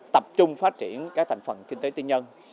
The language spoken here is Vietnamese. tập trung phát triển các thành phần kinh tế tư nhân